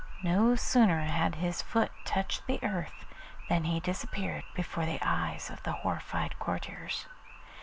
No sooner had his foot touched the earth than he disappeared before the eyes of the horrified courtiers.